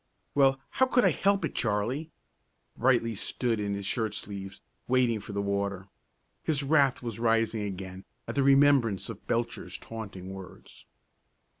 "Well, how could I help it, Charley?" Brightly stood in his shirt sleeves, waiting for the water. His wrath was rising again at the remembrance of Belcher's taunting words.